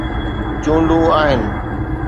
چونڊون آهن.